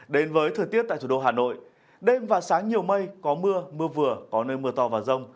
đến với thời tiết tại thủ đô hà nội đêm và sáng nhiều mây có mưa mưa vừa có nơi mưa to và rông